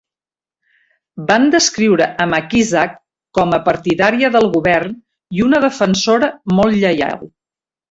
Van descriure a McIsaac com a "partidària del govern" i una "defensora molt lleial".